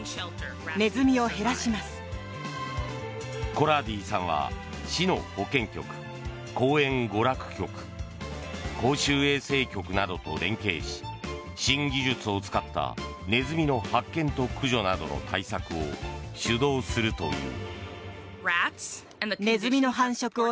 コラーディさんは市の保健局、公園娯楽局公衆衛生局などと連携し新技術を使ったネズミの発見と駆除などの対策を主導するという。